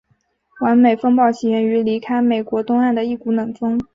完美风暴起源于离开美国东岸的一股冷锋。